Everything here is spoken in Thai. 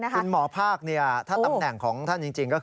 คุณหมอภาคเนี่ยในหนังของมันจริง